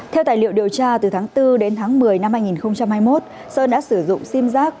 theo tài liệu điều tra từ tháng bốn đến tháng một mươi năm hai nghìn hai mươi một sơn đã sử dụng sim giác